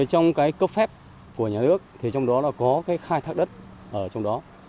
trong cái cấp phép của nhà nước thì trong đó là có cái khai thác đất ở trong đó